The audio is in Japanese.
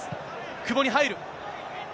久保に入る。